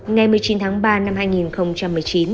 ngày một mươi chín tháng ba năm hai nghìn một mươi chín